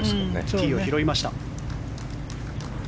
ティーを拾いました。